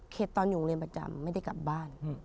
ตอนอยู่โรงเรียนประจำไม่ได้กลับบ้าน